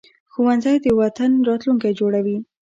ښوونځی د وطن راتلونکی جوړوي